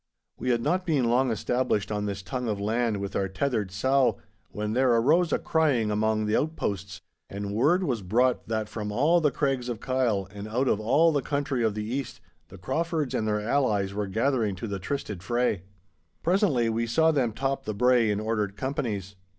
We had not been long established on this tongue of land with our tethered sow when there arose a crying among the outposts, and word was brought that from all the Craigs of Kyle, and out of all the country of the east, the Craufords and their allies were gathering to the trysted fray. Presently we saw them top the brae in ordered companies.